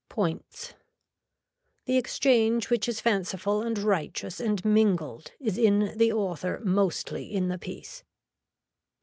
POINTS. The exchange which is fanciful and righteous and mingled is in the author mostly in the piece.